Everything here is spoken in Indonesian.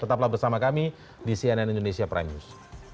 tetaplah bersama kami di cnn indonesia prime news